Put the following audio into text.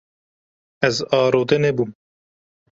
Ez arode nebûm.